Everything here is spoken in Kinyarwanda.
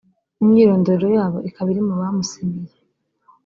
imyirondoro yabo ikaba iri mu bamusinyiye